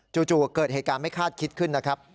จู่เกิดเหตุการณ์ไม่คาดคิดขึ้นนะครับ